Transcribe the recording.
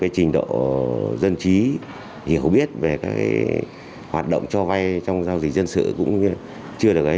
trình độ dân trí hiểu biết về hoạt động cho vay trong giao dịch dân sự cũng chưa được